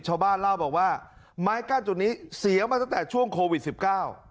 ชาวบ้านเล่าบอกว่าไม้กั้นจุดนี้เสียมาตั้งแต่ช่วงโควิดสิบเก้า